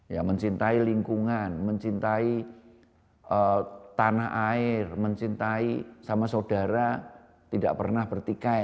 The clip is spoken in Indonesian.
ya mencintai lingkungan mencintai tanah air mencintai sama saudara tidak pernah bertikai